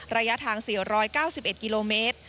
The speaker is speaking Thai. ระยะทาง๔๙๑กิโลเมตร